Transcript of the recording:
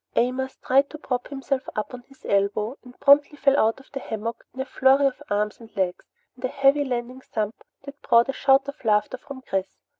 Amos tried to prop himself up on his elbow and promptly fell out of the hammock in a flurry of arms and legs and a heavy landing thump that brought a shout of laughter from Chris.